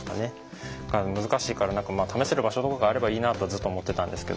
難しいから何か試せる場所とかがあればいいなとずっと思ってたんですけど。